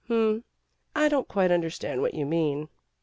"Hm! I don't quite understand what you mean."